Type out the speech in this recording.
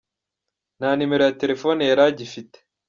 Nta nimero ya telefoni yari agifite.